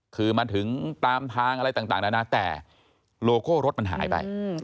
คือมาถึงตามทางอะไรต่างนานาแต่โลโก้รถมันหายไป